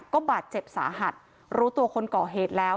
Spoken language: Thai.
ก็บาดเจ็บสาหัสรู้ตัวคนก่อเหตุแล้ว